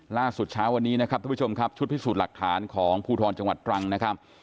เช้าวันนี้นะครับทุกผู้ชมครับชุดพิสูจน์หลักฐานของภูทรจังหวัดตรังนะครับ